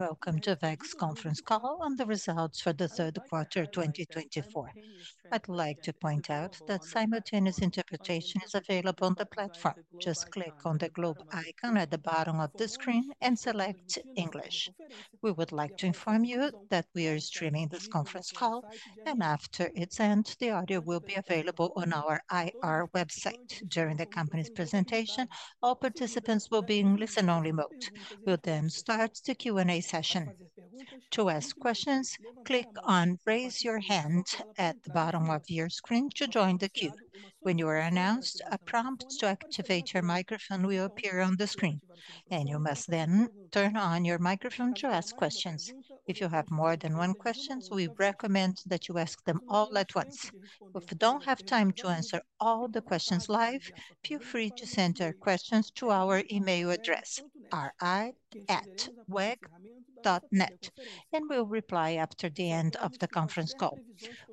Welcome to WEG's conference call on the results for the third quarter 2024. I'd like to point out that simultaneous interpretation is available on the platform. Just click on the globe icon at the bottom of the screen and select English. We would like to inform you that we are streaming this conference call, and after its end, the audio will be available on our IR website. During the company's presentation, all participants will be in listen-only mode. We'll then start the Q&A session. To ask questions, click on "Raise Your Hand" at the bottom of your screen to join the queue. When you are announced, a prompt to activate your microphone will appear on the screen, and you must then turn on your microphone to ask questions. If you have more than one question, we recommend that you ask them all at once. If you don't have time to answer all the questions live, feel free to send your questions to our email address, ri@weg.net, and we'll reply after the end of the conference call.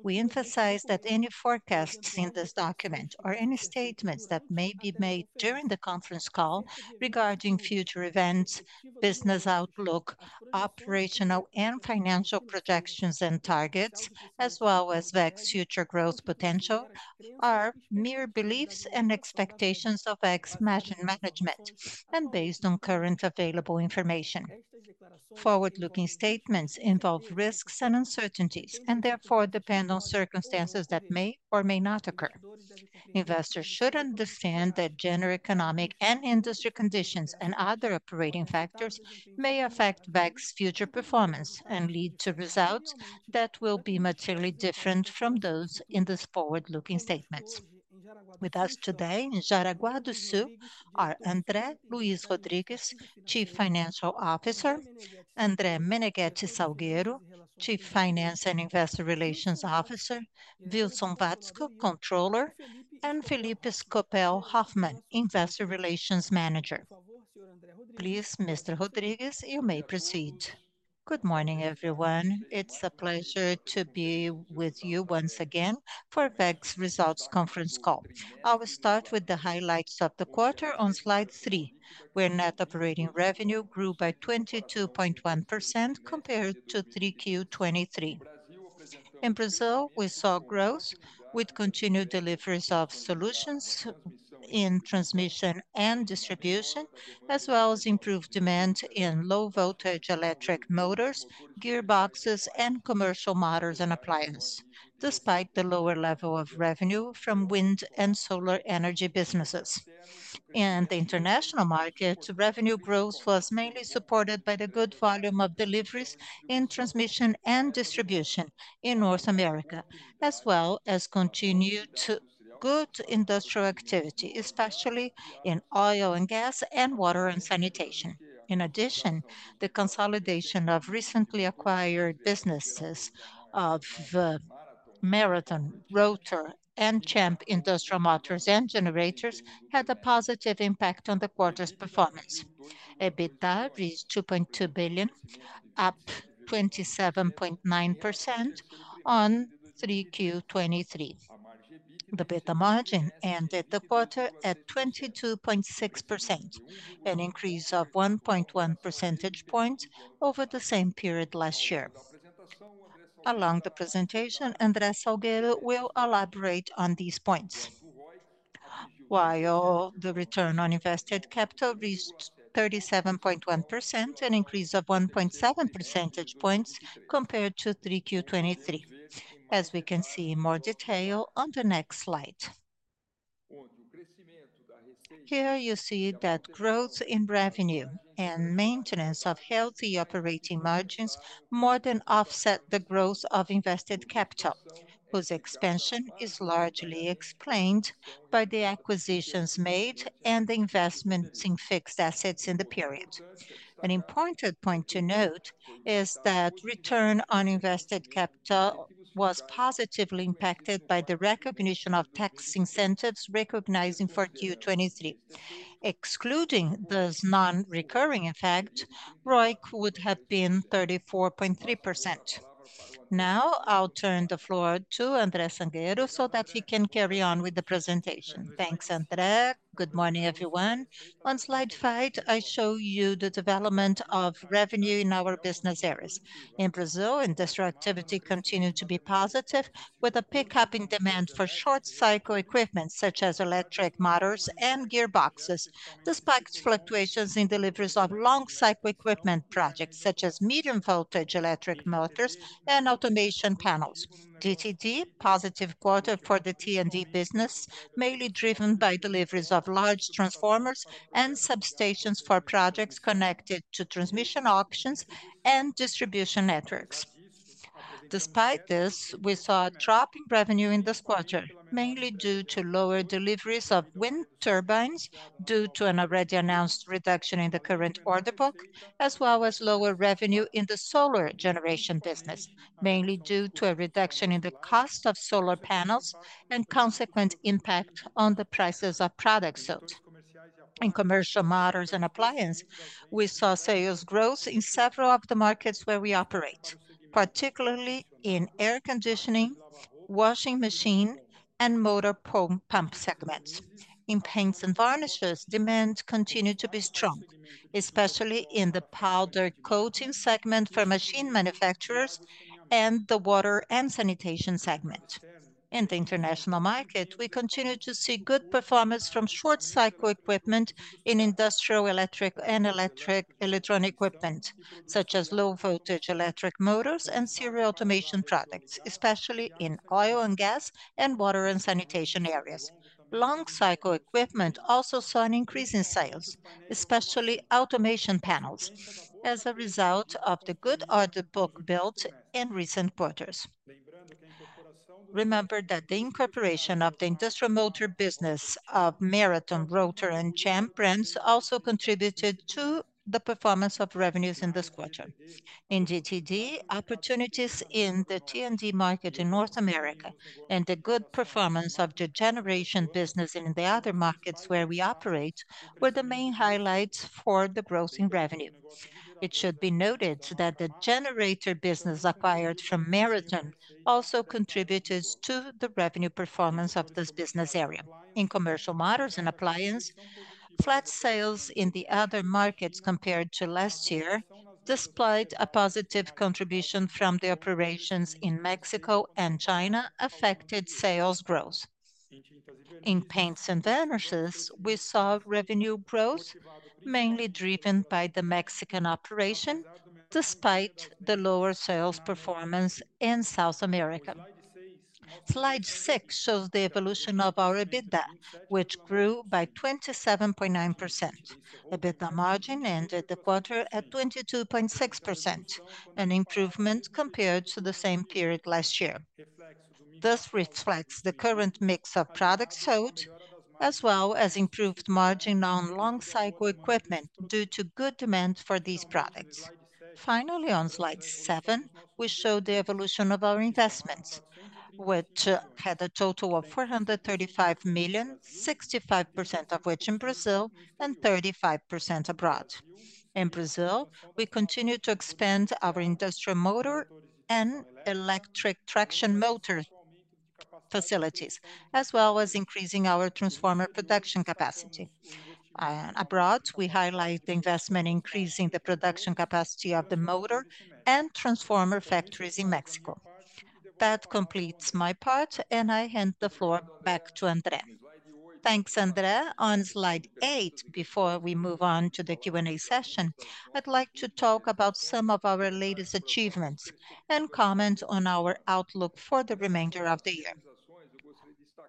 We emphasize that any forecasts in this document or any statements that may be made during the conference call regarding future events, business outlook, operational and financial projections and targets, as well as WEG's future growth potential, are mere beliefs and expectations of WEG's management and based on current available information. Forward-looking statements involve risks and uncertainties, and therefore depend on circumstances that may or may not occur. Investors should understand that general economic and industry conditions and other operating factors may affect WEG's future performance and lead to results that will be materially different from those in these forward-looking statements. With us today in Jaraguá do Sul are André Luis Rodrigues, Chief Financial Officer, André Meneghetti Salgueiro, Chief Finance and Investor Relations Officer, Wilson Watzko, Controller, and Felipe Scopel Hoffmann, Investor Relations Manager. Please, Mr. Rodrigues, you may proceed. Good morning, everyone. It's a pleasure to be with you once again for WEG's results conference call. I will start with the highlights of the quarter on slide three, where net operating revenue grew by 22.1% compared to 3Q 2023. In Brazil, we saw growth with continued deliveries of solutions in transmission and distribution, as well as improved demand in low-voltage electric motors, gearboxes, and commercial motors and appliances, despite the lower level of revenue from wind and solar energy businesses. In the international market, revenue growth was mainly supported by the good volume of deliveries in transmission and distribution in North America, as well as continued good industrial activity, especially in oil and gas and water and sanitation. In addition, the consolidation of recently acquired businesses of Marathon, Rotor, and Cemp Industrial Motors and Generators had a positive impact on the quarter's performance. EBITDA reached 2.2 billion, up 27.9% on 3Q 2023. The EBITDA margin ended the quarter at 22.6%, an increase of 1.1 percentage points over the same period last year. Along the presentation, André Salgueiro will elaborate on these points, while the return on invested capital reached 37.1%, an increase of 1.7 percentage points compared to 3Q 2023, as we can see in more detail on the next slide. Here you see that growth in revenue and maintenance of healthy operating margins more than offset the growth of invested capital, whose expansion is largely explained by the acquisitions made and the investments in fixed assets in the period. An important point to note is that return on invested capital was positively impacted by the recognition of tax incentives in Q2 2023. Excluding this non-recurring effect, ROIC would have been 34.3%. Now I'll turn the floor to André Salgueiro so that he can carry on with the presentation. Thanks, André. Good morning, everyone. On slide five, I show you the development of revenue in our business areas. In Brazil, industrial activity continued to be positive, with a pickup in demand for short-cycle equipment such as electric motors and gearboxes, despite fluctuations in deliveries of long-cycle equipment projects such as medium-voltage electric motors and automation panels. GTD, positive quarter for the T&D business, mainly driven by deliveries of large transformers and substations for projects connected to transmission auctions and distribution networks. Despite this, we saw a drop in revenue in this quarter, mainly due to lower deliveries of wind turbines due to an already announced reduction in the current order book, as well as lower revenue in the solar generation business, mainly due to a reduction in the cost of solar panels and consequent impact on the prices of products sold. In commercial motors and appliances, we saw sales growth in several of the markets where we operate, particularly in air conditioning, washing machine, and motor pump segments. In paints and varnishes, demand continued to be strong, especially in the powder coating segment for machine manufacturers and the water and sanitation segment. In the international market, we continue to see good performance from short-cycle equipment in industrial electric and electronic equipment, such as low-voltage electric motors and serial automation products, especially in oil and gas and water and sanitation areas. Long-cycle equipment also saw an increase in sales, especially automation panels, as a result of the good order book built in recent quarters. Remember that the incorporation of the industrial motor business of Marathon, Rotor, and Cemp brands also contributed to the performance of revenues in this quarter. In GTD, opportunities in the T&D market in North America and the good performance of the generation business in the other markets where we operate were the main highlights for the growth in revenue. It should be noted that the generator business acquired from Marathon also contributed to the revenue performance of this business area. In commercial motors and appliances, flat sales in the other markets compared to last year displayed a positive contribution from the operations in Mexico and China affected sales growth. In paints and varnishes, we saw revenue growth mainly driven by the Mexican operation, despite the lower sales performance in South America. Slide six shows the evolution of our EBITDA, which grew by 27.9%. EBITDA margin ended the quarter at 22.6%, an improvement compared to the same period last year. This reflects the current mix of products sold, as well as improved margin on long-cycle equipment due to good demand for these products. Finally, on slide seven, we show the evolution of our investments, which had a total of 435 million, 65% of which in Brazil and 35% abroad. In Brazil, we continue to expand our industrial motor and electric traction motor facilities, as well as increasing our transformer production capacity. Abroad, we highlight the investment increasing the production capacity of the motor and transformer factories in Mexico. That completes my part, and I hand the floor back to André. Thanks, André. On slide eight, before we move on to the Q&A session, I'd like to talk about some of our latest achievements and comment on our outlook for the remainder of the year.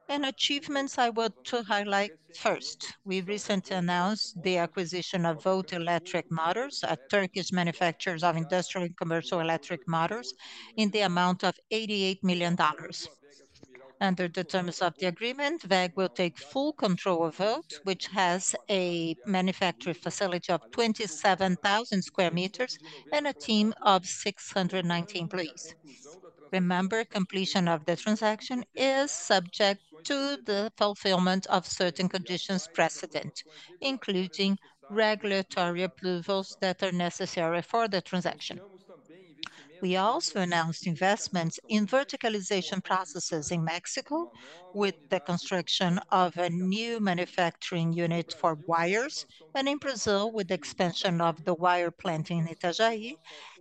In achievements, I want to highlight first, we recently announced the acquisition of Volt Electric Motors, a Turkish manufacturer of industrial and commercial electric motors, in the amount of $88 million. Under the terms of the agreement, WEG will take full control of Volt, which has a manufacturing facility of 27,000 square meters and a team of 619 employees. Remember, completion of the transaction is subject to the fulfillment of certain conditions precedent, including regulatory approvals that are necessary for the transaction. We also announced investments in verticalization processes in Mexico, with the construction of a new manufacturing unit for wires, and in Brazil, with the expansion of the wire plant in Itajaí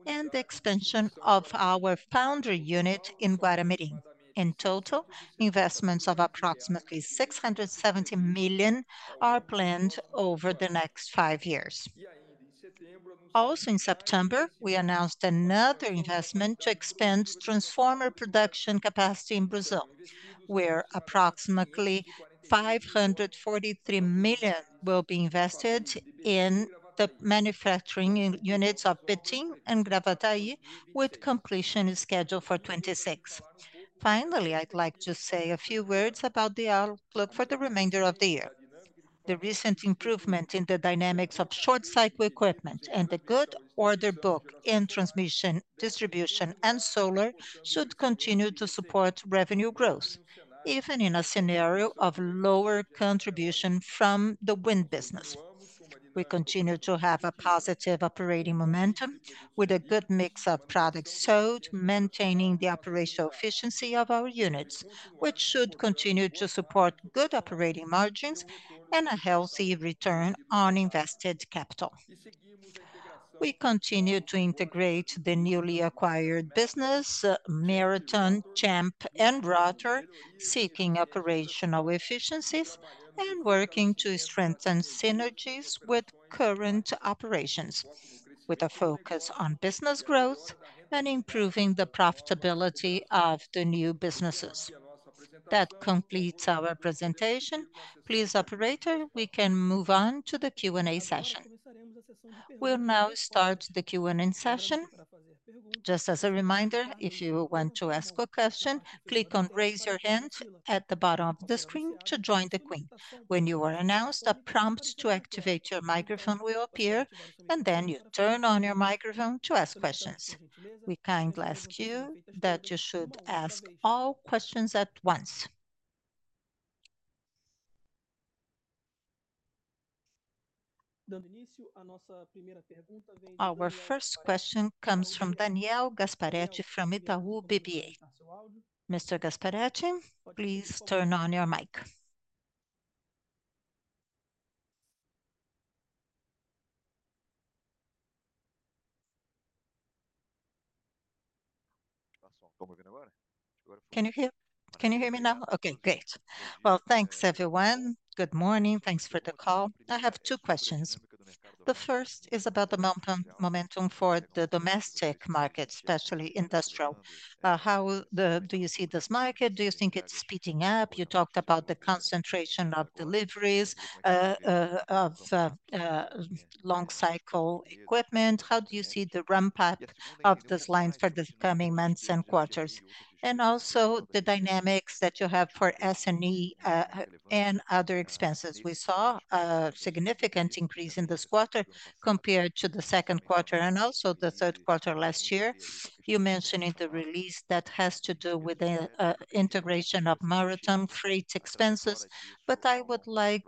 and the expansion of our foundry unit in Guaramirim. In total, investments of approximately $670 million are planned over the next five years. Also, in September, we announced another investment to expand transformer production capacity in Brazil, where approximately $543 million will be invested in the manufacturing units of Betim and Gravataí, with completion scheduled for 2026. Finally, I'd like to say a few words about the outlook for the remainder of the year. The recent improvement in the dynamics of short-cycle equipment and the good order book in transmission, distribution, and solar should continue to support revenue growth, even in a scenario of lower contribution from the wind business. We continue to have a positive operating momentum with a good mix of products sold, maintaining the operational efficiency of our units, which should continue to support good operating margins and a healthy return on invested capital. We continue to integrate the newly acquired business, Marathon, Cemp, and Rotor, seeking operational efficiencies and working to strengthen synergies with current operations, with a focus on business growth and improving the profitability of the new businesses. That completes our presentation. Please, operator, we can move on to the Q&A session. We'll now start the Q&A session. Just as a reminder, if you want to ask a question, click on "Raise Your Hand" at the bottom of the screen to join the queue. When you are announced, a prompt to activate your microphone will appear, and then you turn on your microphone to ask questions. We kindly ask you that you should ask all questions at once. Our first question comes from Daniel Gasparete from Itaú BBA. Mr. Gasparete, please turn on your mic. Can you hear me now? Okay, great. Well, thanks, everyone. Good morning. Thanks for the call. I have two questions. The first is about the momentum for the domestic market, especially industrial. How do you see this market? Do you think it's speeding up? You talked about the concentration of deliveries of long-cycle equipment. How do you see the ramp-up of these lines for the coming months and quarters? And also the dynamics that you have for SG&A and other expenses. We saw a significant increase in this quarter compared to the second quarter and also the third quarter last year. You mentioned in the release that has to do with the integration of Marathon freight expenses, but I would like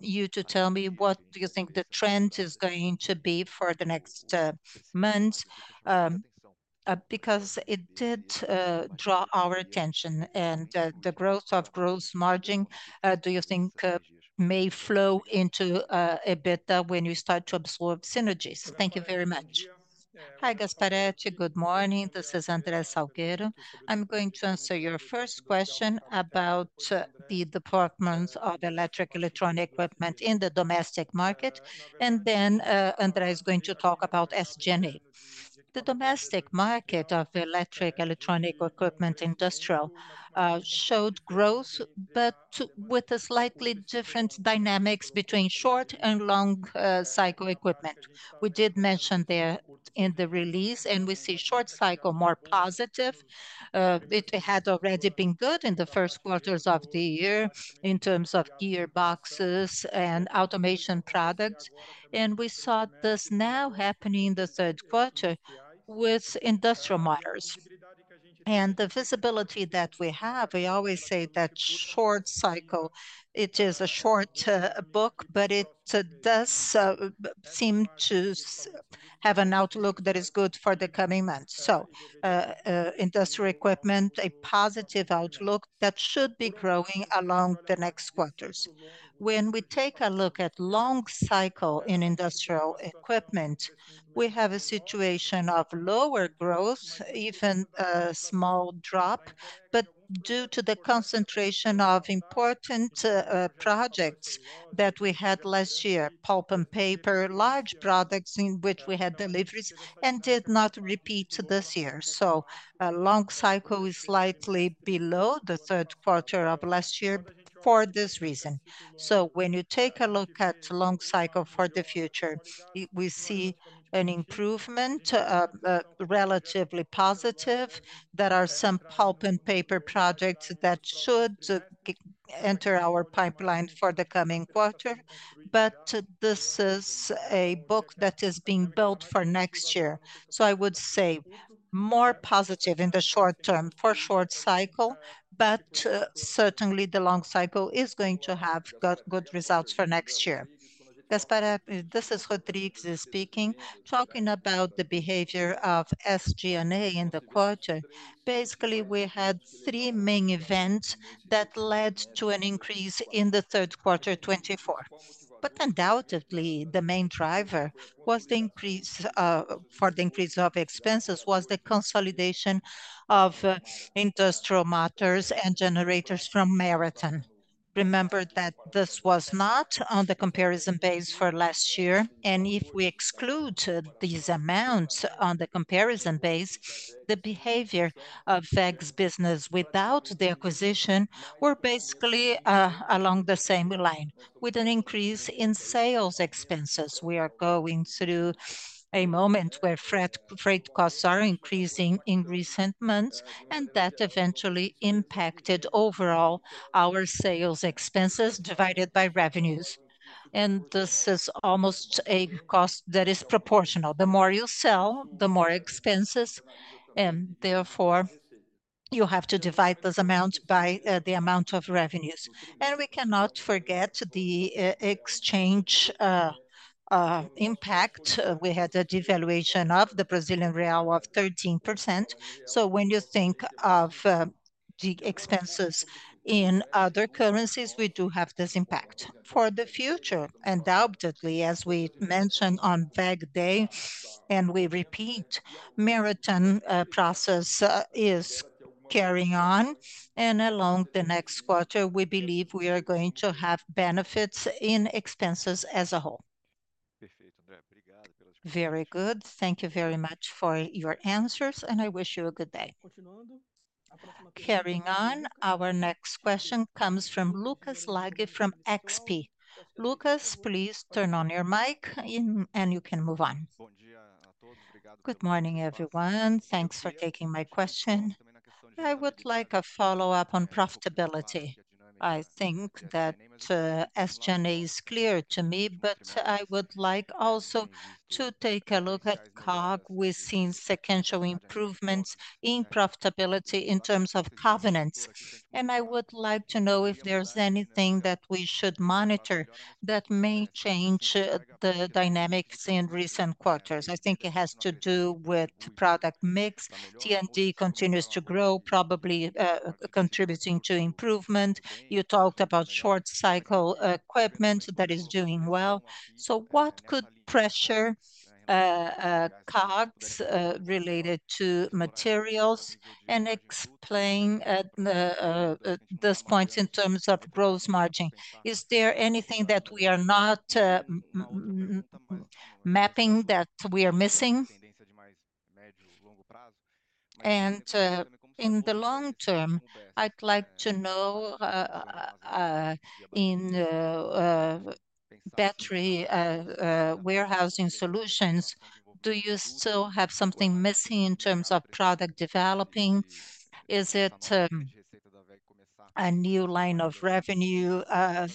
you to tell me what do you think the trend is going to be for the next month, because it did draw our attention, and the growth of gross margin, do you think, may flow into EBITDA when you start to absorb synergies? Thank you very much. Hi, Gasparete. Good morning. This is André Salgueiro. I'm going to answer your first question about the demand for electric and electronic equipment in the domestic market, and then André is going to talk about SG&A. The domestic market for electric and electronic equipment in the industrial segment showed growth, but with a slightly different dynamic between short-cycle and long-cycle equipment. We did mention there in the release, and we see short-cycle more positive. It had already been good in the first quarters of the year in terms of gearboxes and automation products, and we saw this now happening in the third quarter with industrial motors. And the visibility that we have, we always say that short-cycle, it is a short book, but it does seem to have an outlook that is good for the coming months. So industrial equipment, a positive outlook that should be growing along the next quarters. When we take a look at long-cycle in industrial equipment, we have a situation of lower growth, even a small drop, but due to the concentration of important projects that we had last year, pulp and paper, large products in which we had deliveries, and did not repeat this year. So long-cycle is slightly below the third quarter of last year for this reason. When you take a look at Long-Cycle for the future, we see an improvement, relatively positive, that are some pulp and paper projects that should enter our pipeline for the coming quarter, but this is a book that is being built for next year. I would say more positive in the short term for Short-Cycle, but certainly the Long-Cycle is going to have good results for next year. Gasparete, this is Rodrigues speaking, talking about the behavior of SG&A in the quarter. Basically, we had three main events that led to an increase in the third quarter 2024. But undoubtedly, the main driver was the increase for the increase of expenses was the consolidation of industrial motors and generators from Marathon. Remember that this was not on the comparison base for last year, and if we exclude these amounts on the comparison base, the behavior of WEG's business without the acquisition were basically along the same line, with an increase in sales expenses. We are going through a moment where freight costs are increasing in recent months, and that eventually impacted overall our sales expenses divided by revenues, and this is almost a cost that is proportional. The more you sell, the more expenses, and therefore you have to divide this amount by the amount of revenues, and we cannot forget the exchange impact. We had a devaluation of the Brazilian Real of 13%, so when you think of the expenses in other currencies, we do have this impact. For the future, undoubtedly, as we mentioned on WEG Day, and we repeat, Marathon process is carrying on, and along the next quarter, we believe we are going to have benefits in expenses as a whole. Very good. Thank you very much for your answers, and I wish you a good day. Carrying on, our next question comes from Lucas Laghi from XP. Lucas, please turn on your mic and you can move on. Good morning, everyone. Thanks for taking my question. I would like a follow-up on profitability. I think that SG&A is clear to me, but I would like also to take a look at COGS. We've seen sequential improvements in profitability in terms of gross margins, and I would like to know if there's anything that we should monitor that may change the dynamics in recent quarters. I think it has to do with product mix. T&D continues to grow, probably contributing to improvement. You talked about short-cycle equipment that is doing well. So what could pressure COGS related to materials and explain this point in terms of gross margin? Is there anything that we are not mapping that we are missing? And in the long term, I'd like to know in battery warehousing solutions, do you still have something missing in terms of product developing? Is it a new line of revenue of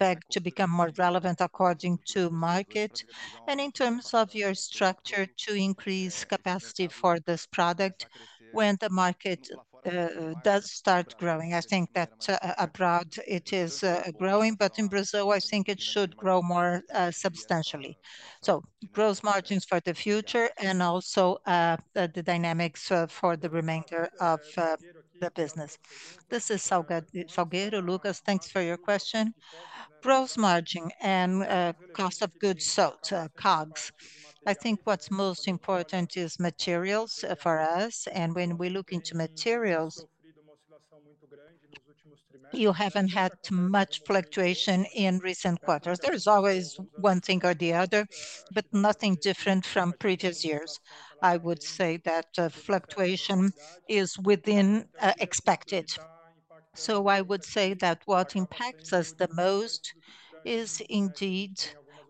WEG to become more relevant according to market? And in terms of your structure to increase capacity for this product, when the market does start growing, I think that abroad it is growing, but in Brazil, I think it should grow more substantially. So gross margins for the future and also the dynamics for the remainder of the business. This is Salgueiro, Lucas. Thanks for your question. Gross margin and cost of goods sold, COGS. I think what's most important is materials for us, and when we look into materials, you haven't had much fluctuation in recent quarters. There is always one thing or the other, but nothing different from previous years. I would say that fluctuation is within expected. So I would say that what impacts us the most is indeed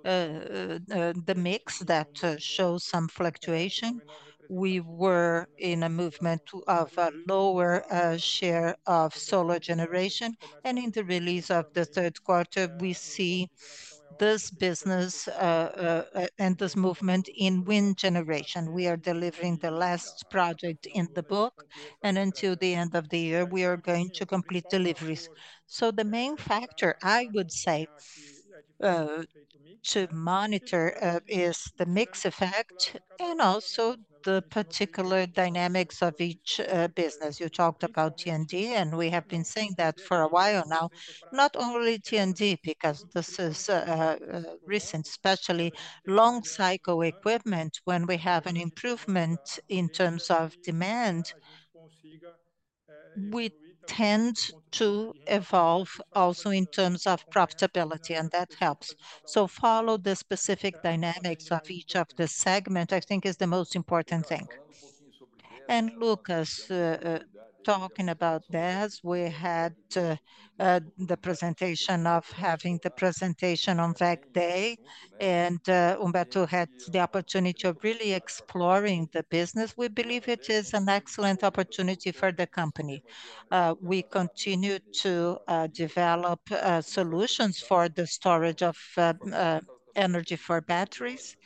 the mix that shows some fluctuation. We were in a movement of a lower share of solar generation, and in the release of the third quarter, we see this business and this movement in wind generation. We are delivering the last project in the book, and until the end of the year, we are going to complete deliveries. So the main factor, I would say, to monitor is the mix effect and also the particular dynamics of each business. You talked about T&D, and we have been saying that for a while now. Not only T&D, because this is recent, especially long-cycle equipment, when we have an improvement in terms of demand, we tend to evolve also in terms of profitability, and that helps, so follow the specific dynamics of each of the segments, I think, is the most important thing, and Lucas, talking about this, we had the presentation on WEG Day, and Cuba had the opportunity of really exploring the business. We believe it is an excellent opportunity for the company. We continue to develop solutions for battery energy storage.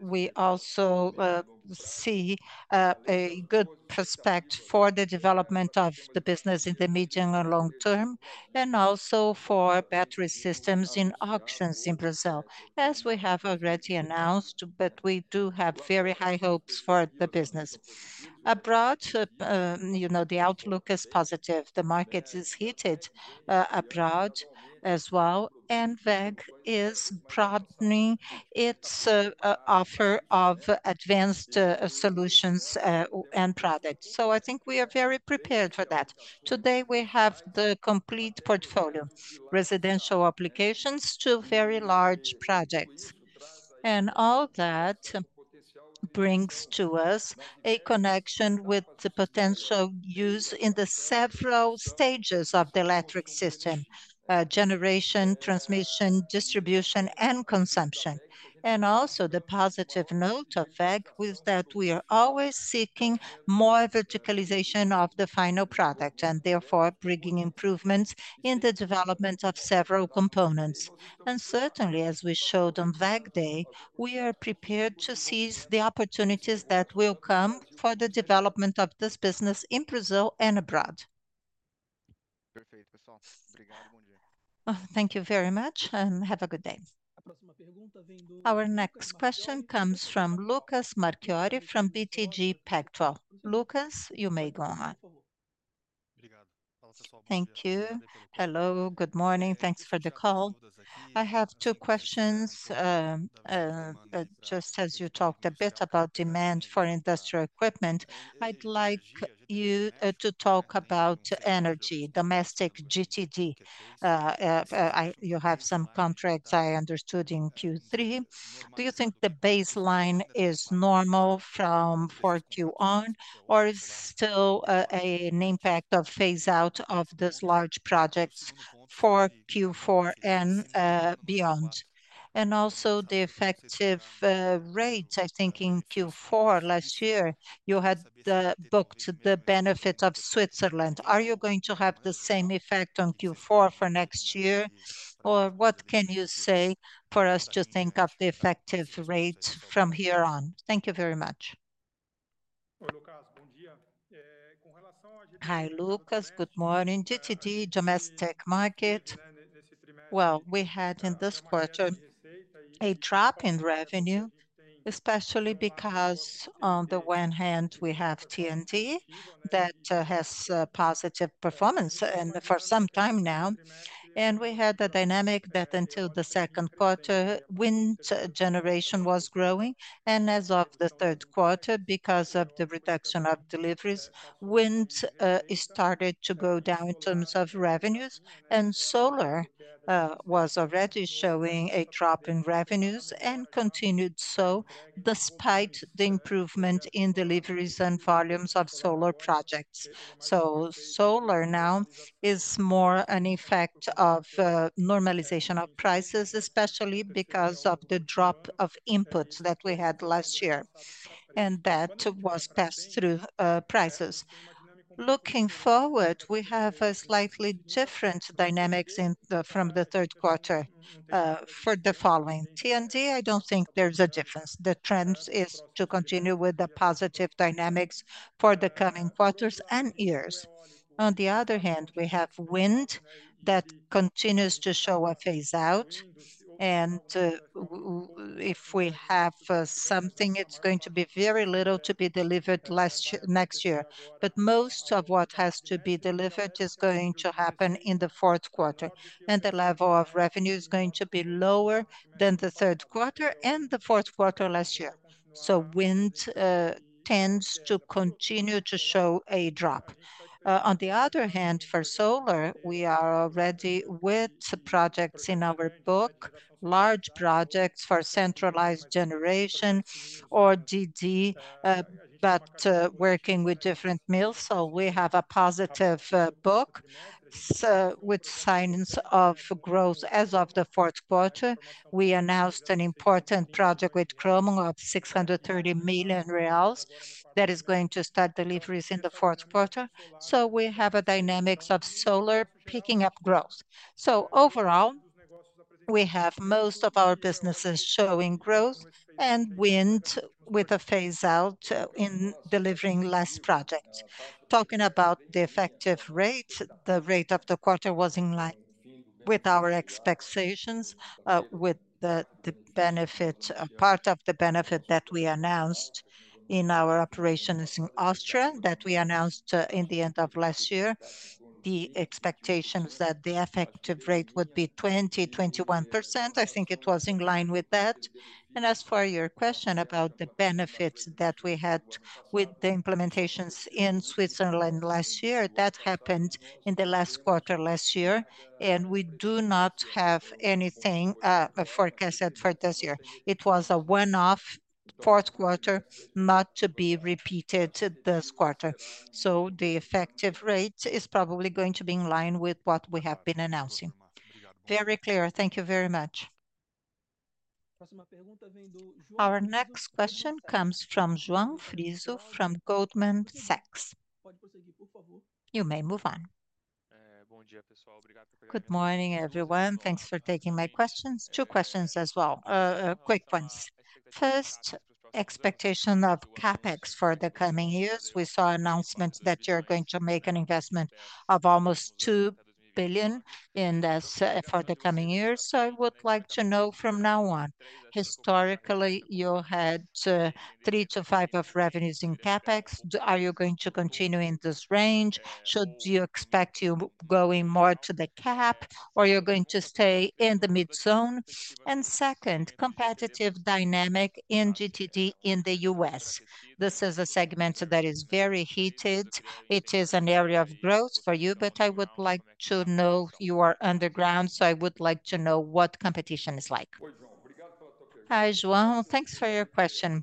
We also see a good prospect for the development of the business in the medium and long term, and also for battery systems in auctions in Brazil, as we have already announced, but we do have very high hopes for the business. Abroad, the outlook is positive. The market is heated abroad as well, and WEG is broadening its offer of advanced solutions and products, so I think we are very prepared for that. Today, we have the complete portfolio, residential applications to very large projects, and all that brings to us a connection with the potential use in the several stages of the electric system: generation, transmission, distribution, and consumption, and also the positive note of WEG was that we are always seeking more verticalization of the final product and therefore bringing improvements in the development of several components. And certainly, as we showed on WEG Day, we are prepared to seize the opportunities that will come for the development of this business in Brazil and abroad. Thank you very much, and have a good day. Our next question comes from Lucas Marquiori from BTG Pactual. Lucas, you may go on. Thank you. Hello, good morning. Thanks for the call. I have two questions. Just as you talked a bit about demand for industrial equipment, I'd like you to talk about energy, domestic GTD. You have some contracts, I understood, in Q3. Do you think the baseline is normal from Q4 on, or is it still an impact of phase-out of these large projects for Q4 and beyond? And also the effective rate, I think in Q4 last year, you had booked the benefit of Switzerland. Are you going to have the same effect on Q4 for next year, or what can you say for us to think of the effective rate from here on? Thank you very much. Hi, Lucas. Good morning. GTD, domestic market. Well, we had in this quarter a drop in revenue, especially because on the one hand, we have T&D that has positive performance for some time now, and we had a dynamic that until the second quarter, wind generation was growing, and as of the third quarter, because of the reduction of deliveries, wind started to go down in terms of revenues, and solar was already showing a drop in revenues and continued so despite the improvement in deliveries and volumes of solar projects. So solar now is more an effect of normalization of prices, especially because of the drop of inputs that we had last year, and that was passed through prices. Looking forward, we have a slightly different dynamic from the third quarter for the following. T&D, I don't think there's a difference. The trend is to continue with the positive dynamics for the coming quarters and years. On the other hand, we have wind that continues to show a phase-out, and if we have something, it's going to be very little to be delivered next year. But most of what has to be delivered is going to happen in the fourth quarter, and the level of revenue is going to be lower than the third quarter and the fourth quarter last year. So wind tends to continue to show a drop. On the other hand, for solar, we are already with projects in our book, large projects for centralized generation, or T&D, but working with different models, so we have a positive book with signs of growth as of the fourth quarter. We announced an important project with Kroma of 630 million reais that is going to start deliveries in the fourth quarter. So we have a dynamic of solar picking up growth, so overall, we have most of our businesses showing growth and wind with a phase-out in delivering less projects. Talking about the effective rate, the rate of the quarter was in line with our expectations, with the benefit, part of the benefit that we announced in our operations in Austria that we announced in the end of last year. The expectation is that the effective rate would be 20%-21%. I think it was in line with that. As for your question about the benefits that we had with the implementations in Switzerland last year, that happened in the last quarter last year, and we do not have anything forecasted for this year. It was a one-off fourth quarter, not to be repeated this quarter. So the effective rate is probably going to be in line with what we have been announcing. Very clear. Thank you very much. Our next question comes from João Frizo from Goldman Sachs. You may move on. Good morning, everyone. Thanks for taking my questions. Two questions as well, quick ones. First, expectation of CapEx for the coming years. We saw announcements that you're going to make an investment of almost 2 billion in this for the coming years. So I would like to know from now on, historically, you had 3%-5% of revenues in CapEx. Are you going to continue in this range? Should we expect you going more to the cap, or you're going to stay in the mid-zone? And second, competitive dynamic in GTD in the U.S. This is a segment that is very heated. It is an area of growth for you, but I would like to know what you're up against, so I would like to know what competition is like. Hi, João. Thanks for your question.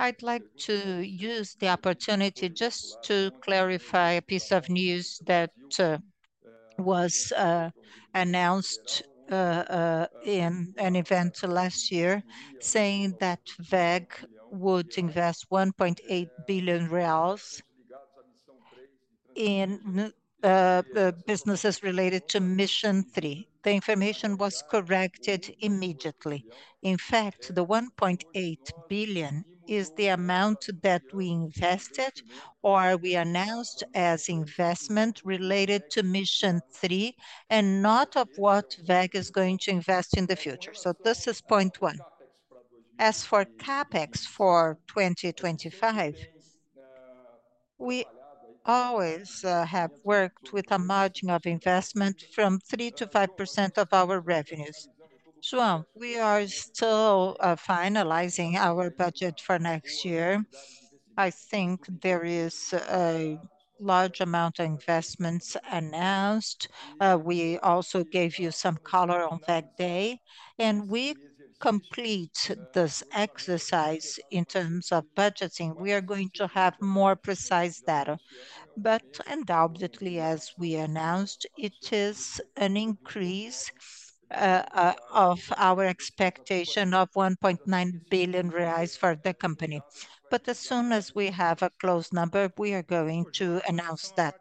I'd like to use the opportunity just to clarify a piece of news that was announced in an event last year saying that WEG would invest 1.8 billion reais in businesses related to Mission 3. The information was corrected immediately. In fact, the 1.8 billion is the amount that we invested or we announced as investment related to Mission 3 and not of what WEG is going to invest in the future. This is point one. As for CapEx for 2025, we always have worked with a margin of investment from 3%-5% of our revenues. João, we are still finalizing our budget for next year. I think there is a large amount of investments announced. We also gave you some color on that day, and we complete this exercise in terms of budgeting. We are going to have more precise data, but undoubtedly, as we announced, it is an increase of our expectation of 1.9 billion reais for the company. But as soon as we have a close number, we are going to announce that.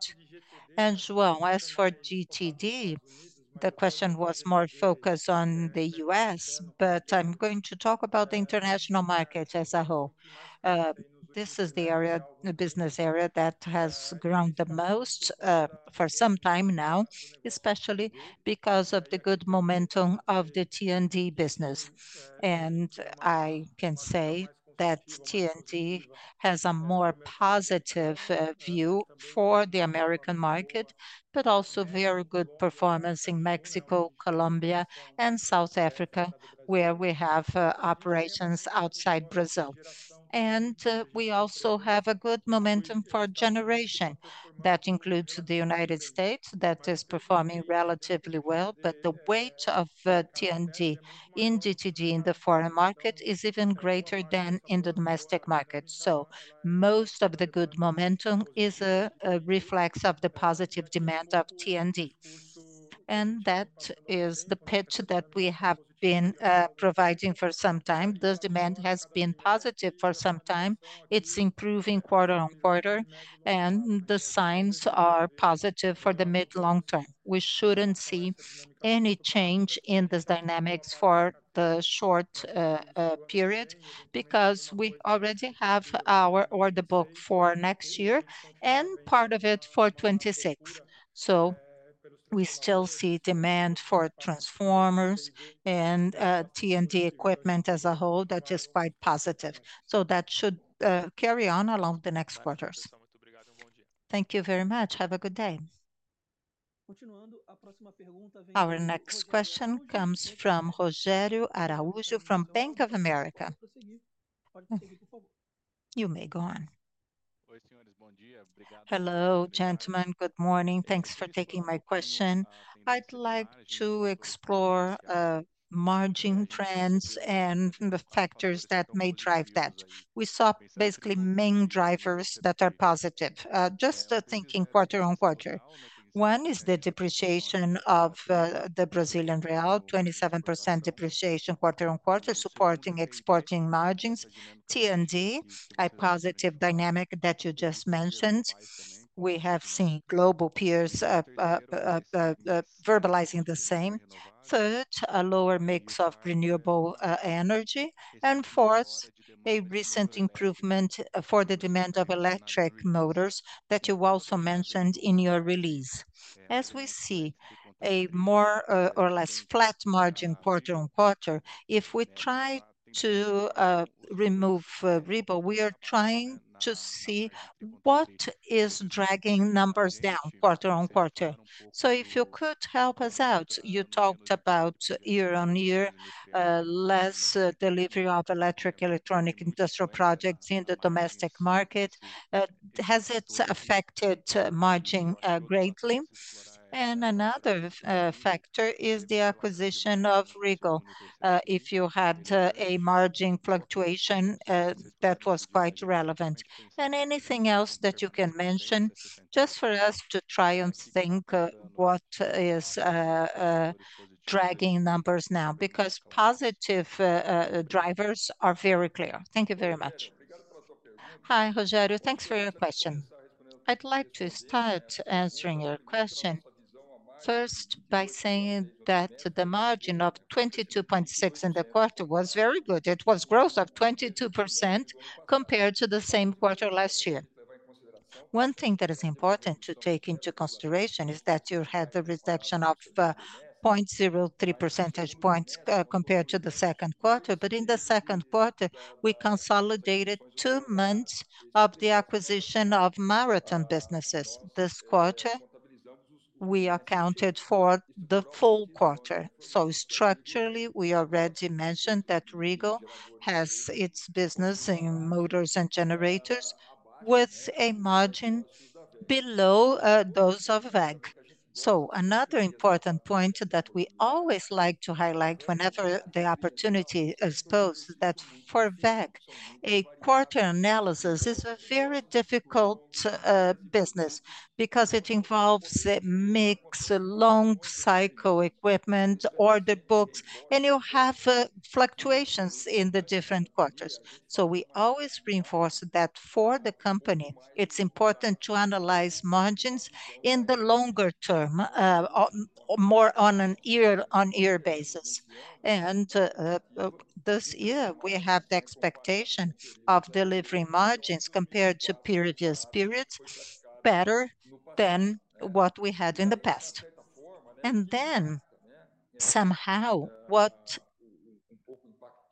João, as for GTD, the question was more focused on the U.S., but I'm going to talk about the international market as a whole. This is the business area that has grown the most for some time now, especially because of the good momentum of the T&D business. I can say that T&D has a more positive view for the American market, but also very good performance in Mexico, Colombia, and South Africa, where we have operations outside Brazil, and we also have a good momentum for generation. That includes the United States that is performing relatively well, but the weight of T&D in GTD in the foreign market is even greater than in the domestic market, so most of the good momentum is a reflection of the positive demand of T&D, and that is the picture that we have been providing for some time. This demand has been positive for some time. It's improving quarter on quarter, and the signs are positive for the mid-long term. We shouldn't see any change in this dynamics for the short period because we already have our order book for next year and part of it for 2026. So we still see demand for transformers and T&D equipment as a whole that is quite positive. So that should carry on along the next quarters. Thank you very much. Have a good day. Our next question comes from Rogério Araújo from Bank of America. You may go on. Hello, gentlemen. Good morning. Thanks for taking my question. I'd like to explore margin trends and the factors that may drive that. We saw basically main drivers that are positive. Just thinking quarter-on-quarter. One is the depreciation of the Brazilian real, 27% depreciation quarter on quarter, supporting exporting margins. T&D, a positive dynamic that you just mentioned. We have seen global peers verbalizing the same. Third, a lower mix of renewable energy. Fourth, a recent improvement for the demand of electric motors that you also mentioned in your release. As we see a more or less flat margin quarter-on-quarter, if we try to remove Regal, we are trying to see what is dragging numbers down quarter-on-quarter. So if you could help us out, you talked about year-on-year less delivery of electric electronic industrial projects in the domestic market. Has it affected margin greatly? Another factor is the acquisition of Regal. If you had a margin fluctuation, that was quite relevant. Anything else that you can mention just for us to try and think what is dragging numbers now? Because positive drivers are very clear. Thank you very much. Hi, Rogério. Thanks for your question. I'd like to start answering your question first by saying that the margin of 22.6% in the quarter was very good. It was growth of 22% compared to the same quarter last year. One thing that is important to take into consideration is that you had the reduction of 0.03 percentage points compared to the second quarter, but in the second quarter, we consolidated two months of the acquisition of maritime businesses. This quarter, we accounted for the full quarter. So structurally, we already mentioned that Regal has its business in motors and generators with a margin below those of WEG. So another important point that we always like to highlight whenever the opportunity is posed is that for WEG, a quarter analysis is a very difficult business because it involves a mix of long cycle equipment, order books, and you have fluctuations in the different quarters. We always reinforce that for the company, it's important to analyze margins in the longer term, more on a year-on-year basis. This year, we have the expectation of delivering margins compared to previous periods better than what we had in the past. Then somehow what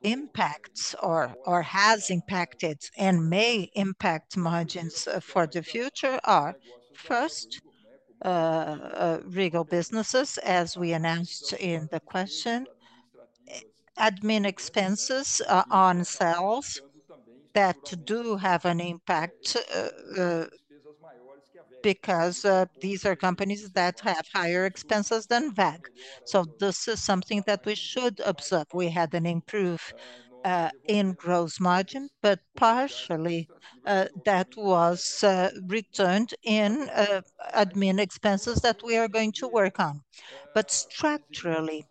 impacts or has impacted and may impact margins for the future are first Regal businesses, as we announced in the acquisition, admin expenses on sales that do have an impact because these are companies that have higher expenses than WEG. This is something that we should observe. We had an improvement in gross margin, but partially that was returned in admin expenses that we are going to work on. Structurally,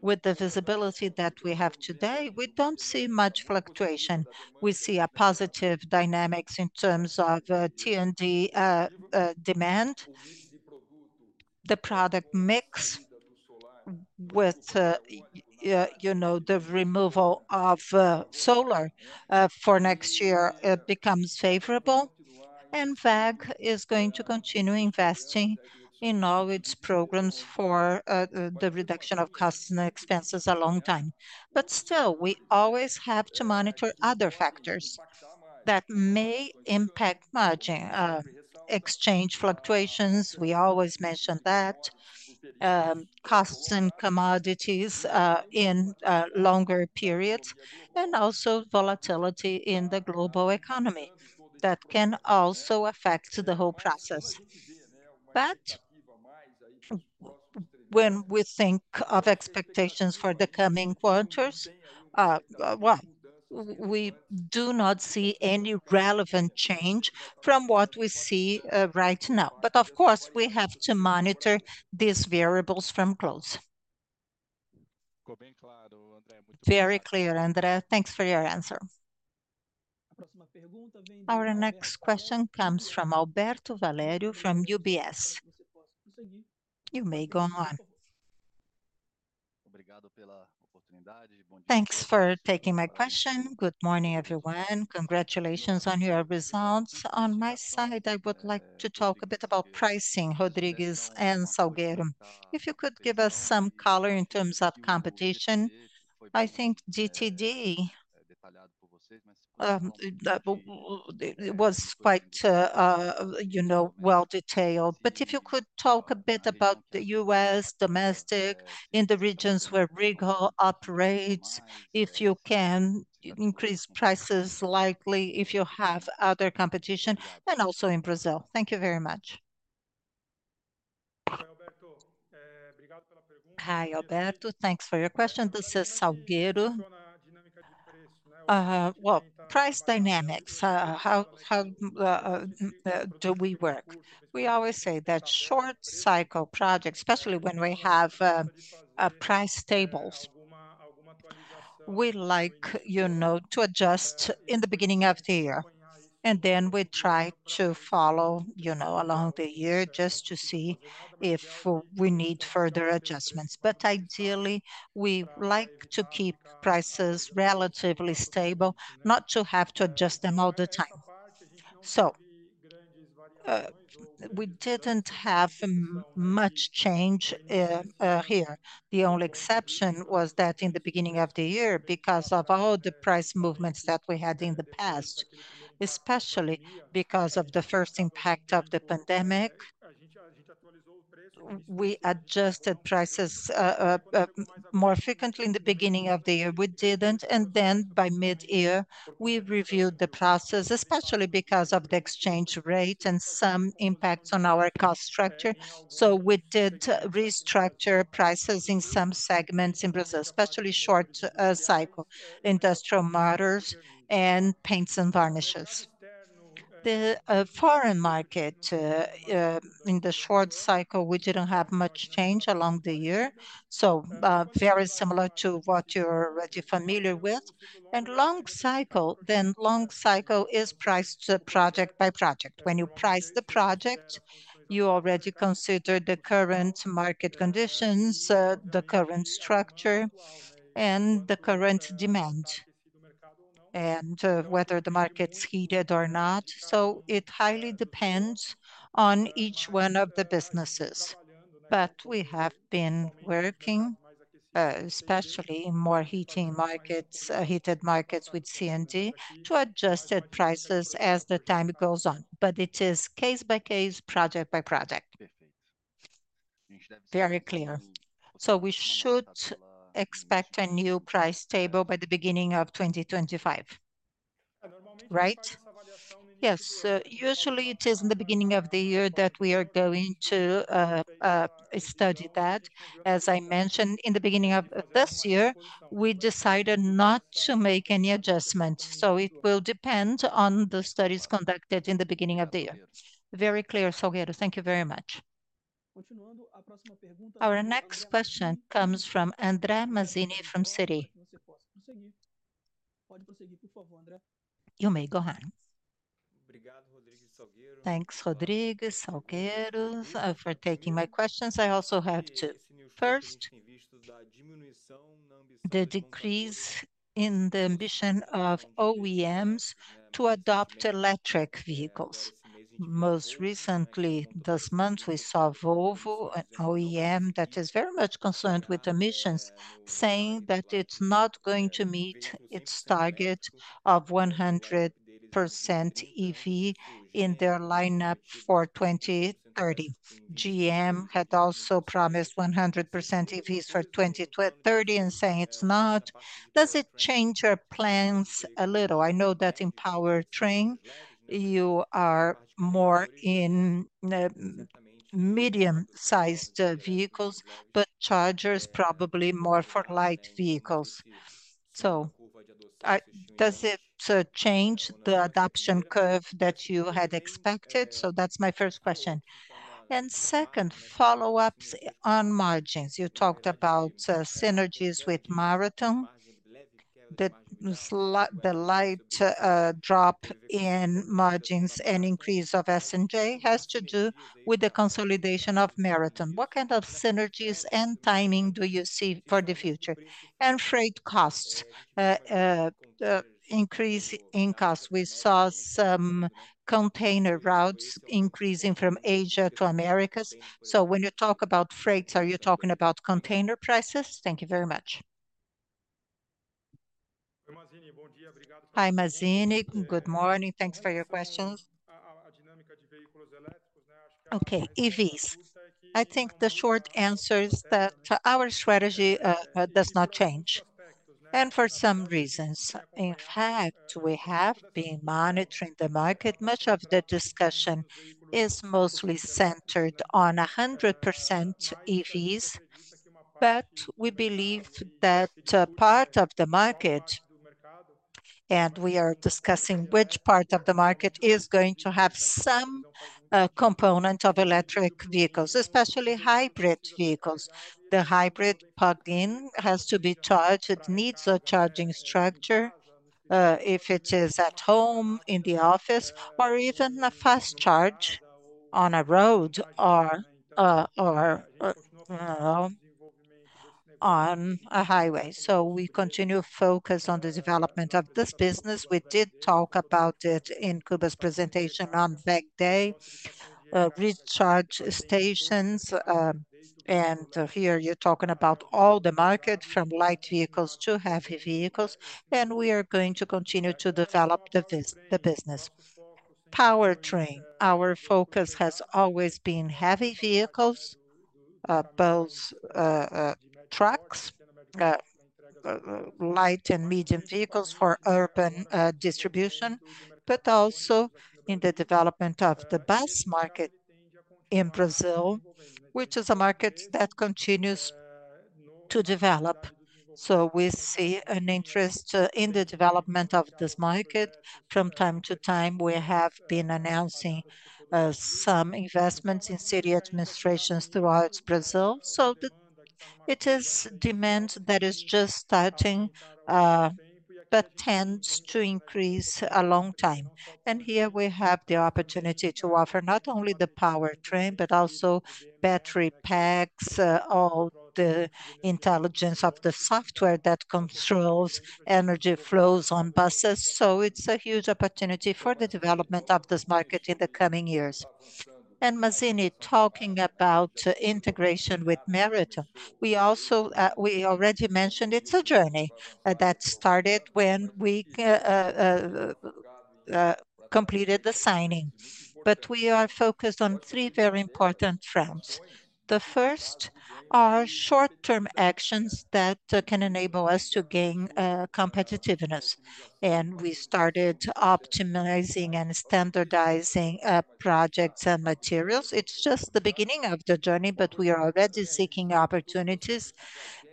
with the visibility that we have today, we don't see much fluctuation. We see a positive dynamic in terms of T&D demand. The product mix with the removal of solar for next year becomes favorable, and WEG is going to continue investing in all its programs for the reduction of costs and expenses a long time. But still, we always have to monitor other factors that may impact margin, exchange fluctuations. We always mention that costs and commodities in longer periods and also volatility in the global economy that can also affect the whole process. But when we think of expectations for the coming quarters, well, we do not see any relevant change from what we see right now. But of course, we have to monitor these variables from close. Very clear, Andr��. Thanks for your answer. Our next question comes from Alberto Valério from UBS. You may go on. Thanks for taking my question. Good morning, everyone. Congratulations on your results. On my side, I would like to talk a bit about pricing, Rodrigues and Salgueiro. If you could give us some color in terms of competition, I think GTD was quite well detailed. But if you could talk a bit about the U.S. domestic in the regions where Regal operates, if you can increase prices likely if you have other competition, and also in Brazil. Thank you very much. Hi, Alberto. Thanks for your question. This is Salgueiro. Well, price dynamics, how do we work? We always say that short cycle projects, especially when we have price tables, we like to adjust in the beginning of the year. And then we try to follow along the year just to see if we need further adjustments. But ideally, we like to keep prices relatively stable, not to have to adjust them all the time. So we didn't have much change here. The only exception was that in the beginning of the year, because of all the price movements that we had in the past, especially because of the first impact of the pandemic, we adjusted prices more frequently in the beginning of the year. We didn't. And then by mid-year, we reviewed the process, especially because of the exchange rate and some impact on our cost structure. So we did restructure prices in some segments in Brazil, especially short cycle industrial motors and paints and varnishes. The foreign market, in the short cycle, we didn't have much change along the year. So very similar to what you're already familiar with. And long cycle, then long cycle is priced to project by project. When you price the project, you already consider the current market conditions, the current structure, and the current demand and whether the market's heated or not. So it highly depends on each one of the businesses. But we have been working, especially in more heated markets with T&D, to adjust prices as the time goes on. But it is case by case, project by project. Very clear. So we should expect a new price table by the beginning of 2025, right? Yes. Usually, it is in the beginning of the year that we are going to study that. As I mentioned, in the beginning of this year, we decided not to make any adjustment. So it will depend on the studies conducted in the beginning of the year. Very clear, Salgueiro. Thank you very much. Our next question comes from André Mazini from Citi. You may go on. Thanks, André Salgueiro, for taking my questions. I also have two: first, the decrease in the ambition of OEMs to adopt electric vehicles. Most recently, this month, we saw Volvo, an OEM that is very much concerned with emissions, saying that it's not going to meet its target of 100% EV in their lineup for 2030. GM had also promised 100% EVs for 2030 and saying it's not. Does it change your plans a little? I know that in powertrain, you are more in medium-sized vehicles, but chargers probably more for light vehicles. So does it change the adoption curve that you had expected? So that's my first question. And second, follow-ups on margins. You talked about synergies with Marathon. The slight drop in margins and increase of SG&A has to do with the consolidation of Marathon. What kind of synergies and timing do you see for the future? And freight costs, increase in costs. We saw some container routes increasing from Asia to America. So when you talk about freights, are you talking about container prices? Thank you very much. Hi, Mazini. Good morning. Thanks for your questions. Okay, EVs. I think the short answer is that our strategy does not change, and for some reasons, in fact, we have been monitoring the market. Much of the discussion is mostly centered on 100% EVs, but we believe that part of the market, and we are discussing which part of the market is going to have some component of electric vehicles, especially hybrid vehicles. The hybrid plug-in has to be charged. It needs a charging structure if it is at home, in the office, or even a fast charge on a road or on a highway. So we continue to focus on the development of this business. We did talk about it in Kuba's presentation on WEG Day. Recharge stations. And here you're talking about all the market from light vehicles to heavy vehicles. And we are going to continue to develop the business. Powertrain. Our focus has always been heavy vehicles, both trucks, light and medium vehicles for urban distribution, but also in the development of the bus market in Brazil, which is a market that continues to develop. So we see an interest in the development of this market. From time to time, we have been announcing some investments in city administrations throughout Brazil. So it is demand that is just starting, but tends to increase a long time. And here we have the opportunity to offer not only the powertrain, but also battery packs, all the intelligence of the software that controls energy flows on buses. So it's a huge opportunity for the development of this market in the coming years. Mazini, talking about integration with Marathon, we also already mentioned it's a journey that started when we completed the signing. But we are focused on three very important fronts. The first are short-term actions that can enable us to gain competitiveness. And we started optimizing and standardizing projects and materials. It's just the beginning of the journey, but we are already seeking opportunities,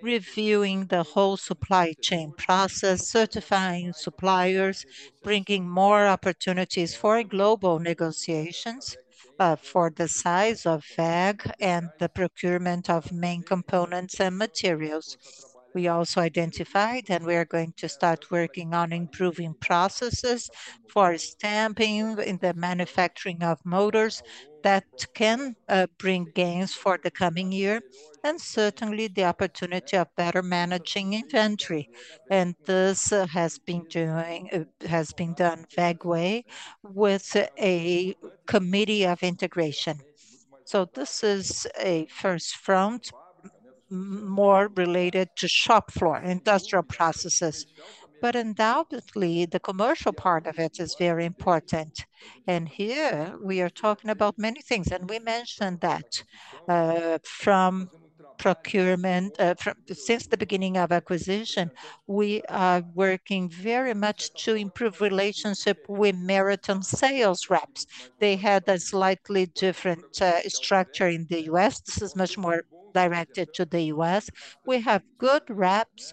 reviewing the whole supply chain process, certifying suppliers, bringing more opportunities for global negotiations for the size of WEG and the procurement of main components and materials. We also identified, and we are going to start working on improving processes for stamping in the manufacturing of motors that can bring gains for the coming year, and certainly the opportunity of better managing inventory. And this has been done WEG Way with a committee of integration. So this is a first front more related to shop floor, industrial processes. But undoubtedly, the commercial part of it is very important. And here we are talking about many things. And we mentioned that from procurement, since the beginning of acquisition, we are working very much to improve relationships with Marathon sales reps. They had a slightly different structure in the U.S. This is much more directed to the U.S. We have good reps,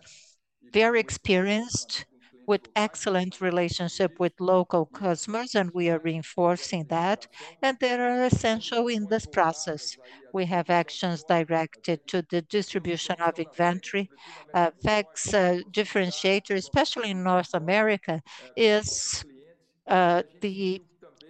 very experienced, with excellent relationships with local customers, and we are reinforcing that. And they are essential in this process. We have actions directed to the distribution of inventory. WEG's differentiator, especially in North America, is the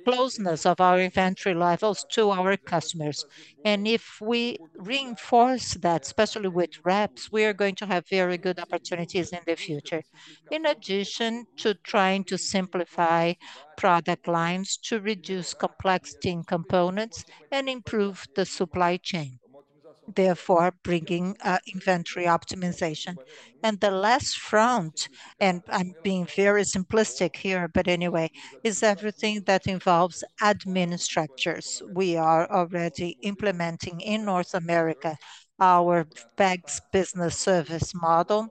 closeness of our inventory levels to our customers. If we reinforce that, especially with reps, we are going to have very good opportunities in the future, in addition to trying to simplify product lines to reduce complexity in components and improve the supply chain, therefore bringing inventory optimization. The last front, and I'm being very simplistic here, but anyway, is everything that involves administrators. We are already implementing in North America our WBS business service model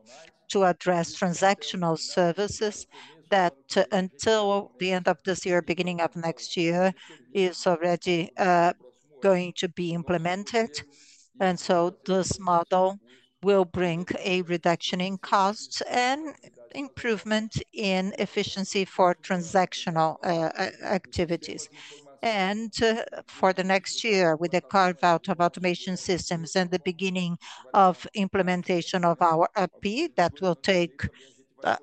to address transactional services that until the end of this year, beginning of next year, is already going to be implemented, and so this model will bring a reduction in costs and improvement in efficiency for transactional activities. For the next year, with the carve-out of automation systems and the beginning of implementation of our ERP that will take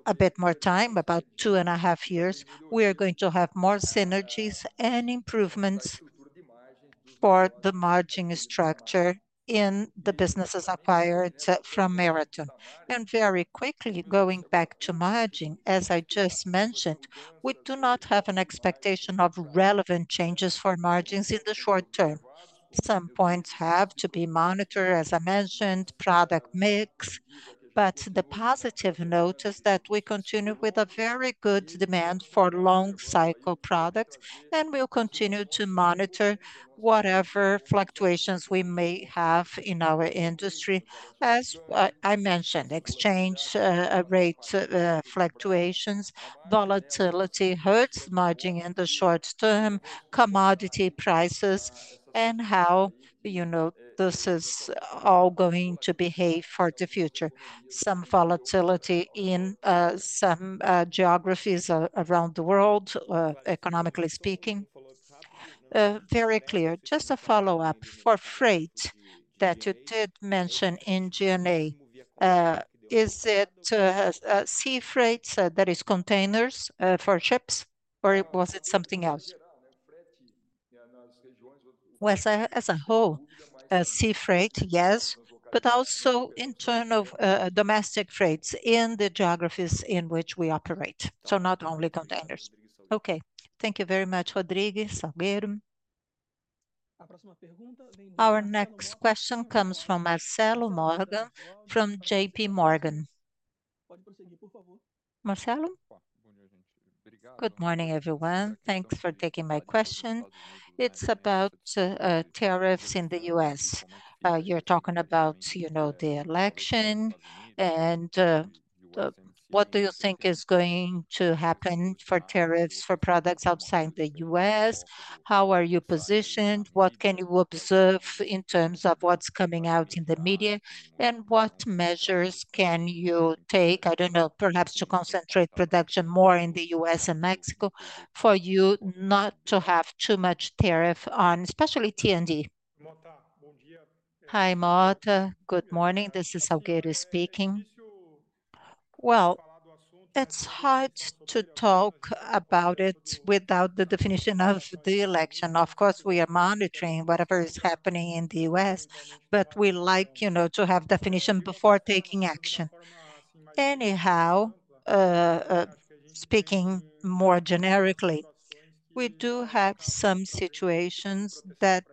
a bit more time, about two and a half years, we are going to have more synergies and improvements for the margin structure in the businesses acquired from Regal Rexnord. Very quickly, going back to margin, as I just mentioned, we do not have an expectation of relevant changes for margins in the short term. Some points have to be monitored, as I mentioned, product mix. The positive note is that we continue with a very good demand for long-cycle products, and we'll continue to monitor whatever fluctuations we may have in our industry, as I mentioned, exchange rate fluctuations, volatility hurts margin in the short term, commodity prices, and how this is all going to behave for the future. Some volatility in some geographies around the world, economically speaking. Very clear. Just a follow-up for freight that you did mention in G&A. Is it sea freight that is containers for ships, or was it something else? As a whole, sea freight, yes, but also in terms of domestic freights in the geographies in which we operate. So not only containers. Okay. Thank you very much, Rodrigues. Our next question comes from Marcelo Moro, from JP Morgan. Marcelo? Good morning, everyone. Thanks for taking my question. It's about tariffs in the U.S. You're talking about the election. And what do you think is going to happen for tariffs for products outside the U.S.? How are you positioned? What can you observe in terms of what's coming out in the media? And what measures can you take? I don't know, perhaps to concentrate production more in the U.S. and Mexico for you not to have too much tariff on, especially T&D. Hi, Marcelo. Good morning. This is Salgueiro speaking. Well, it's hard to talk about it without the definition of the election. Of course, we are monitoring whatever is happening in the U.S., but we like to have definition before taking action. Anyhow, speaking more generically, we do have some situations that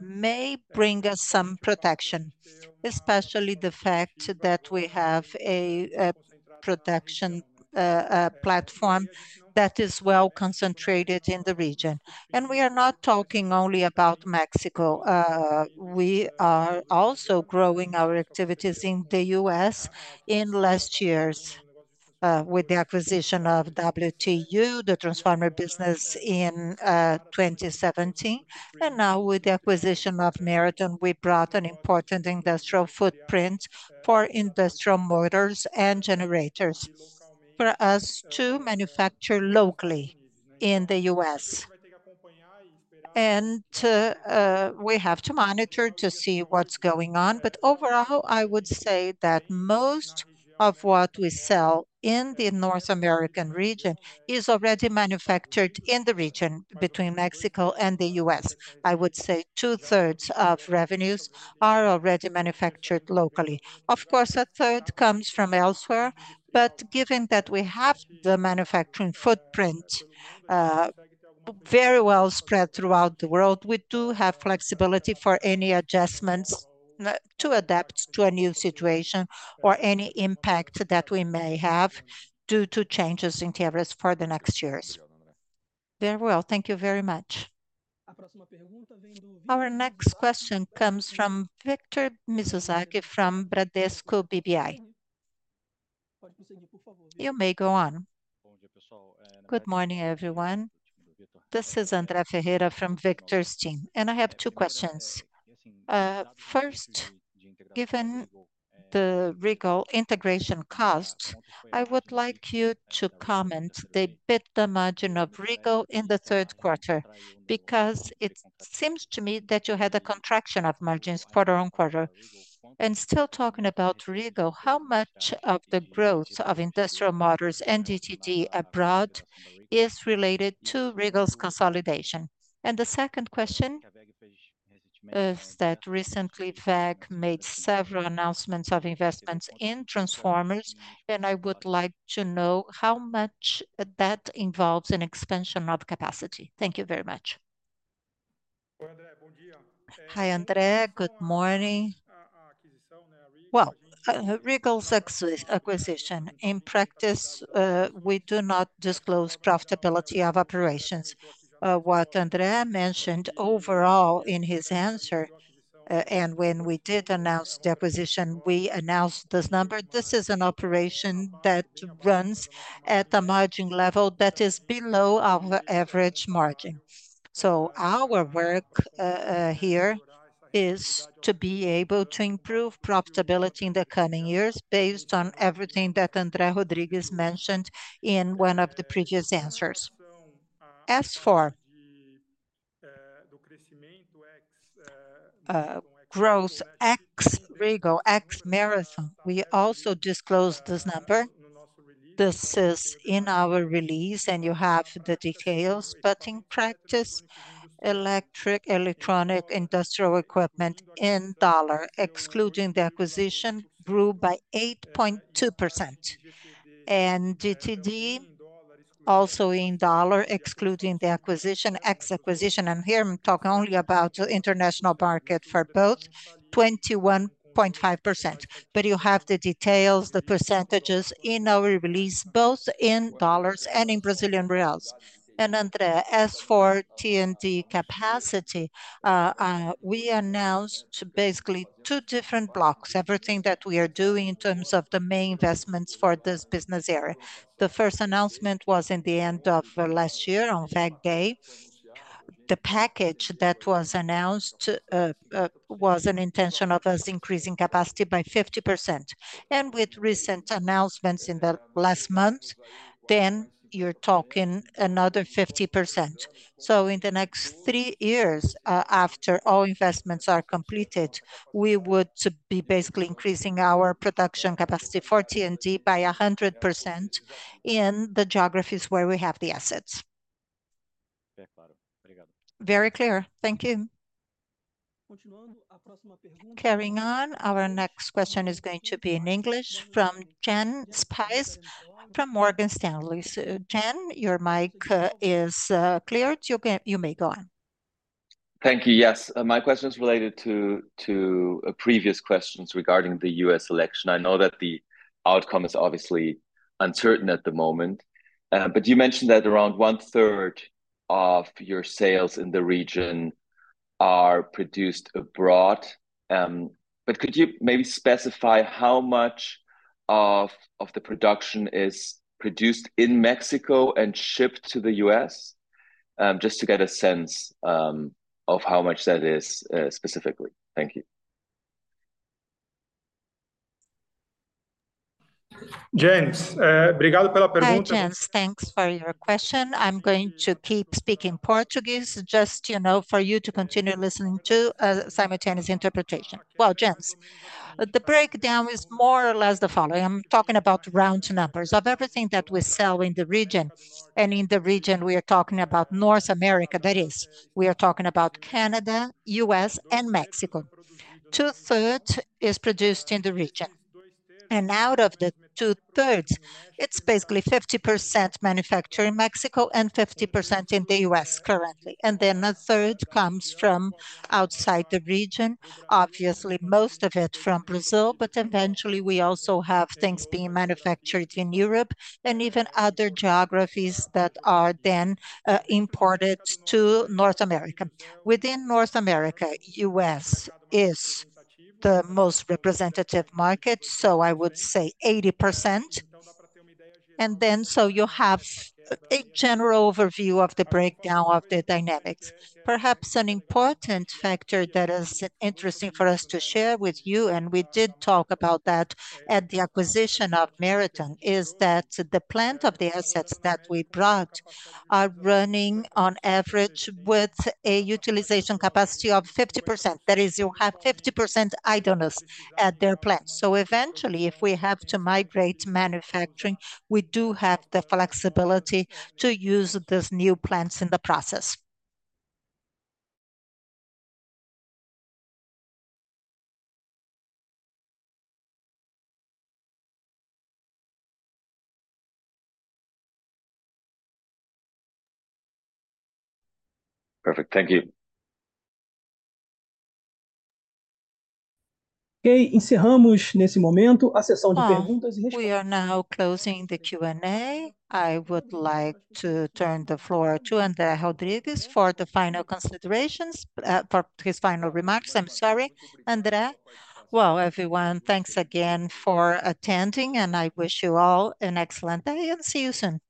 may bring us some protection, especially the fact that we have a production platform that is well concentrated in the region. And we are not talking only about Mexico. We are also growing our activities in the U.S. in last years with the acquisition of WTM, the transformer business in 2017. Now with the acquisition of Marathon, we brought an important industrial footprint for industrial motors and generators for us to manufacture locally in the U.S. And we have to monitor to see what's going on. But overall, I would say that most of what we sell in the North American region is already manufactured in the region between Mexico and the U.S. I would say two-thirds of revenues are already manufactured locally. Of course, a third comes from elsewhere. But given that we have the manufacturing footprint very well spread throughout the world, we do have flexibility for any adjustments to adapt to a new situation or any impact that we may have due to changes in tariffs for the next years. Very well. Thank you very much. Our next question comes from Victor Mizusaki from Bradesco BBI. You may go on. Good morning, everyone. This is André Ferreira from Victor's team. And I have two questions. First, given the Regal integration costs, I would like you to comment a bit on the margin of Regal in the third quarter, because it seems to me that you had a contraction of margins quarter on quarter. And still talking about Regal, how much of the growth of industrial motors and GTD abroad is related to Regal's consolidation? And the second question is that recently WEG made several announcements of investments in transformers, and I would like to know how much that involves in expansion of capacity. Thank you very much. Hi, Andrea. Good morning. Well, Regal's acquisition, in practice, we do not disclose profitability of operations. What Andrea mentioned overall in his answer, and when we did announce the acquisition, we announced this number. This is an operation that runs at a margin level that is below our average margin, so our work here is to be able to improve profitability in the coming years based on everything that André Rodrigues mentioned in one of the previous answers. As for growth, ex-Regal, ex-Marathon, we also disclosed this number. This is in our release, and you have the details, but in practice, electric, electronic, industrial equipment in dollars, excluding the acquisition, grew by 8.2%. And GTD, also in dollars, excluding the acquisition, ex-acquisition. I'm here talking only about the international market for both, 21.5%. But you have the details, the percentages in our release, both in dollars and in Brazilian reals, and André, as for T&D capacity, we announced basically two different blocks, everything that we are doing in terms of the main investments for this business area. The first announcement was in the end of last year on WEG Day. The package that was announced was an intention of us increasing capacity by 50%, and with recent announcements in the last month, then you're talking another 50%. So in the next three years, after all investments are completed, we would be basically increasing our production capacity for T&D by 100% in the geographies where we have the assets. Very clear. Thank you. Carrying on, our next question is going to be in English from Jens Spiess from Morgan Stanley. Jens, your mic is clear. You may go on. Thank you. Yes, my question is related to previous questions regarding the U.S. election. I know that the outcome is obviously uncertain at the moment, but you mentioned that around one-third of your sales in the region are produced abroad. But could you maybe specify how much of the production is produced in Mexico and shipped to the U.S.? Just to get a sense of how much that is specifically. Thank you. Thanks for your question. I'm going to keep speaking Portuguese just for you to continue listening to simultaneous interpretation. Well, Jens, the breakdown is more or less the following. I'm talking about round numbers of everything that we sell in the region. And in the region, we are talking about North America. That is, we are talking about Canada, U.S., and Mexico. Two-thirds is produced in the region. And out of the two-thirds, it's basically 50% manufactured in Mexico and 50% in the U.S. currently. And then a third comes from outside the region, obviously most of it from Brazil. But eventually, we also have things being manufactured in Europe and even other geographies that are then imported to North America. Within North America, the U.S. is the most representative market, so I would say 80%. And then so you have a general overview of the breakdown of the dynamics. Perhaps an important factor that is interesting for us to share with you, and we did talk about that at the acquisition of Marathon, is that the plant of the assets that we brought are running on average with a utilization capacity of 50%. That is, you have 50% idleness at their plant. So eventually, if we have to migrate manufacturing, we do have the flexibility to use these new plants in the process. Perfect. Thank you. We are now closing the Q&A. I would like to turn the floor to André Rodrigues for the final considerations, for his final remarks. I'm sorry, André. Well, everyone, thanks again for attending, and I wish you all an excellent day and see you soon.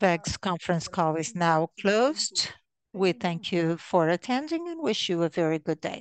WEG's conference call is now closed. We thank you for attending and wish you a very good day.